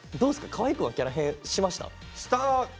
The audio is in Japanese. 河合くんはキャラ変しました？